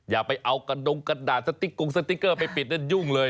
อย่าไปเอากระดงกระดาษสติ๊กกงสติ๊กเกอร์ไปปิดนั้นยุ่งเลย